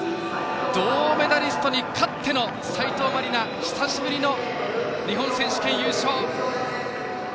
銅メダリストに勝っての斉藤真理菜久しぶりの日本選手権優勝。